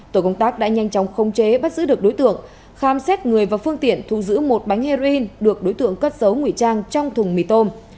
tổ công tác đã nhanh chóng không chế bắt giữ được đối tượng khám xét người và phương tiện thu giữ một bánh heroin được đối tượng cất giấu nguy trang trong thùng mì tôm